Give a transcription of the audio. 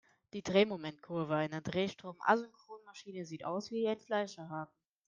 Die Drehmomentkurve einer Drehstrom-Asynchronmaschine sieht aus wie ein Fleischerhaken.